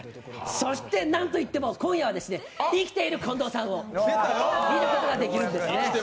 そして何と言っても今夜は生きている近藤さんを見ることができるんです。